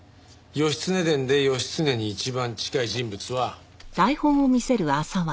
『義経伝』で義経に一番近い人物は。